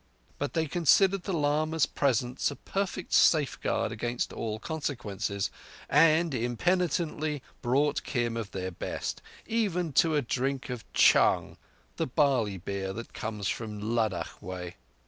But they considered the lama's presence a perfect safeguard against all consequences, and impenitently brought Kim of their best—even to a drink of chang—the barley beer that comes from Ladakh way.